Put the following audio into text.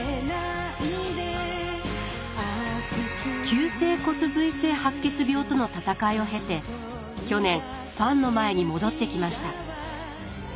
急性骨髄性白血病との闘いを経て去年ファンの前に戻ってきました。